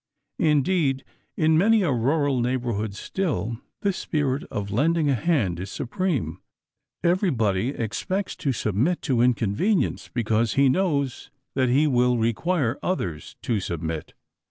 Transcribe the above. Indeed, in many a rural neighborhood still, this spirit of lending a hand is supreme. Everybody expects to submit to inconvenience, because he knows that he will require others to submit.